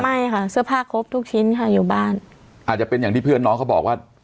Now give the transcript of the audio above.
ไม่ค่ะเสื้อผ้าครบทุกชิ้นค่ะอยู่บ้านอาจจะเป็นอย่างที่เพื่อนน้องเขาบอกว่า